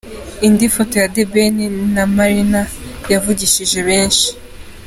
Indi Foto ya The Ben na Marina yavugishije benshi.